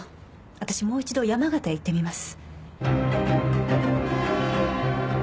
私もう一度山形へ行ってみます。